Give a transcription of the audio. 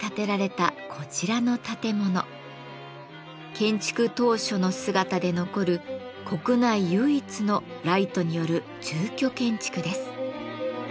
建築当初の姿で残る国内唯一のライトによる住居建築です。